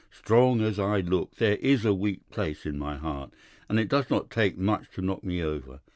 Strong as I look, there is a weak place in my heart, and it does not take much to knock me over.